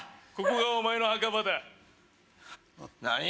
ここがお前の墓場だ何！？